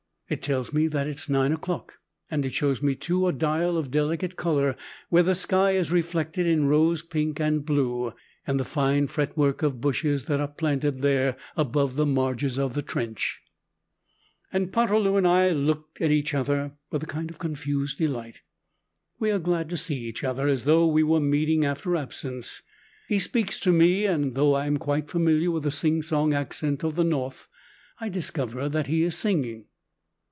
It tells me that it is nine o'clock, and it shows me, too, a dial of delicate color where the sky is reflected in rose pink and blue, and the fine fret work of bushes that are planted there above the marges of the trench. And Poterloo and I look at each other with a kind of confused delight. We are glad to see each other, as though we were meeting after absence! He speaks to me, and though I am quite familiar with the singsong accent of the North, I discover that he is singing.